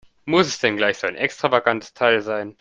Muss es denn gleich so ein extravagantes Teil sein?